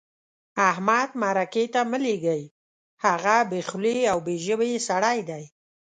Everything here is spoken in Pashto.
احمد مرکې ته مه لېږئ؛ هغه بې خولې او بې ژبې سړی دی.